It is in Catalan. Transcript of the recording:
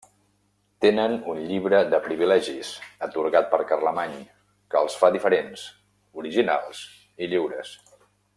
Tenen un Llibre de Privilegis, atorgat per Carlemany, que els fa diferents, originals i lliures.